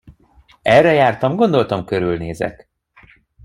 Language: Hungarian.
Erre jártam, gondoltam, körülnézek.